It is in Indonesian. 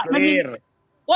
itu sudah clear